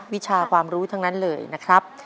วิชาความรู้ทั้งนั้นเลยนะครับ